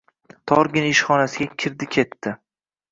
Torgina ishxonasiga kirdi ketdi.